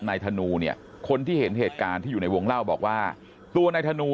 ธนูเนี่ยคนที่เห็นเหตุการณ์ที่อยู่ในวงเล่าบอกว่าตัวนายธนู